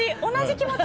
気持ち。